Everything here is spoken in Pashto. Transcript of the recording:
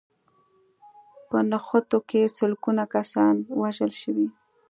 په نښتو کې سلګونه کسان وژل شوي